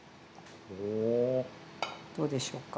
どうでしょうか。